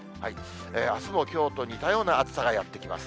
あすもきょうと似たような暑さがやって来ます。